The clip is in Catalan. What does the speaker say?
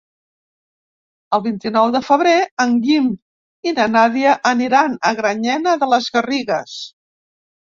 El vint-i-nou de febrer en Guim i na Nàdia aniran a Granyena de les Garrigues.